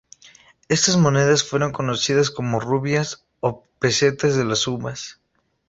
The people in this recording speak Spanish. Estas monedas fueron conocidas como "rubias" o "pesetas de las uvas".